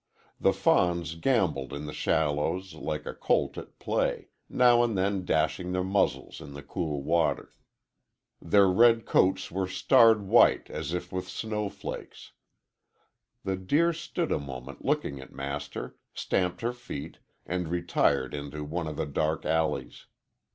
The fawns gambolled in the shallows like a colt at play, now and then dashing their muzzles in the cool water. Their red coats were starred white as if with snow flakes. The deer stood a moment looking at Master, stamped her feet, and retired into one of the dark alleys.